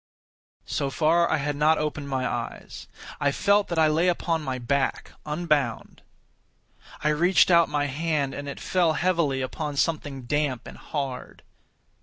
So far, I had not opened my eyes. I felt that I lay upon my back, unbound. I reached out my hand, and it fell heavily upon something damp and hard.